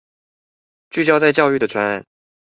聚焦在教育的專案